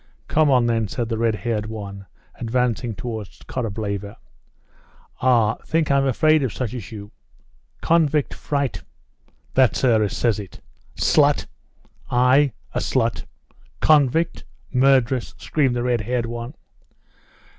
"Come on then," said the red haired one, advancing towards Korableva. "Ah! think I'm afraid of such as you?" "Convict fright!" "That's her as says it." "Slut!" "I? A slut? Convict! Murderess!" screamed the red haired one.